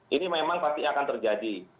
ini memang pasti akan terjadi